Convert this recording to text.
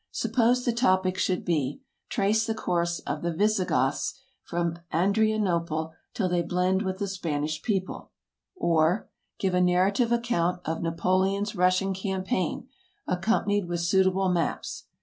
Suppose the topic should be, "Trace the course of the Visigoths from Adrianople till they blend with the Spanish people"; or, "Give a narrative account of Napoleon's Russian campaign, accompanied with suitable maps."